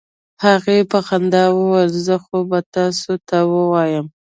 هغې په خندا وویل: "خو زه به تاسو ته ووایم،